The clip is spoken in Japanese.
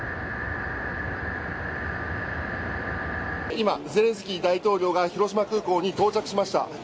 今、ゼレンスキー大統領が、広島空港に到着しました。